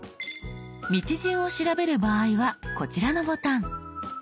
道順を調べる場合はこちらのボタン。